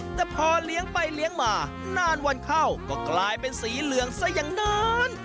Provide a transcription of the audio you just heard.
แต่พอเลี้ยงไปเลี้ยงมานานวันเข้าก็กลายเป็นสีเหลืองซะอย่างนั้น